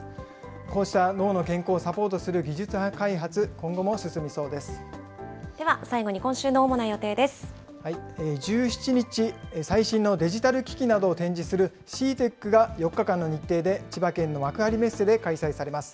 こうした脳の健康をサポートするでは最後に今週の主な予定で１７日、最新のデジタル機器などを展示するＣＥＡＴＥＣが４日間の日程で、千葉県の幕張メッセで開催されます。